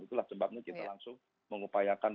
itulah sebabnya kita langsung mengupayakan